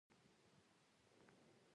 داسې ښکارېده چې هغه په فریدګل پسې ګرځي